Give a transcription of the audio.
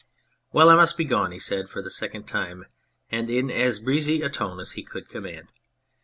" Well, I must be gone," he said for the second time, and in as breezy a tone as he could command.